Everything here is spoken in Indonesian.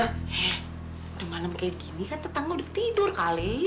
eh udah malem kayak gini kan tetangga udah tidur kali